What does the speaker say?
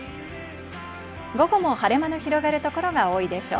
午後も晴れ間の広がる所が多いでしょう。